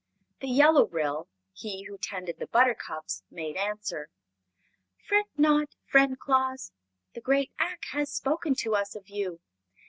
The Yellow Ryl, he who tends the buttercups, made answer: "Fret not, friend Claus. The great Ak has spoken to us of you.